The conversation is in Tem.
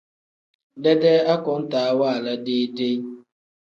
Dedee akontaa waala deyi-deyi.